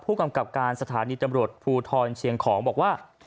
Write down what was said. ผู้กำกับการสถานีตำรวจภูทรเชียงของบอกว่า